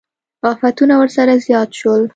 افتونه ورسره زیات شول.